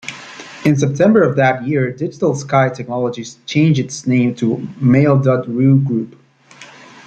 In September of that year, Digital Sky Technologies changed its name to Mail.Ru Group.